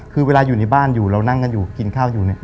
คือเวลาอยู่ในบ้านอยู่เรานั่งกันอยู่กินข้าวอยู่เนี่ย